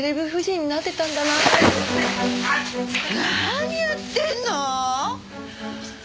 何やってんの！？